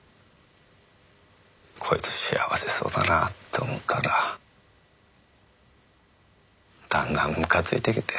こいつ幸せそうだなって思ったらだんだんむかついてきて。